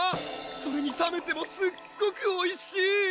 それにさめてもすっごくおいしい！